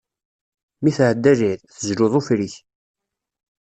Mi tɛedda lɛid, tezluḍ ufrik.